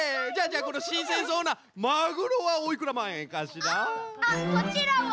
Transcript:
じゃあじゃあこのしんせんそうなマグロはおいくらまんえんかしら？